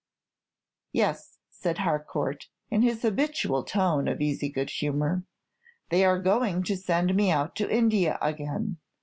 "Yes," said Harcourt, in his habitual tone of easy good humor, "they are going to send me out to India again.